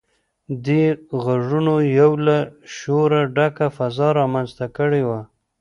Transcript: دې غږونو يوه له شوره ډکه فضا رامنځته کړې وه.